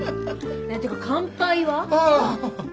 っていうか乾杯は？あっ。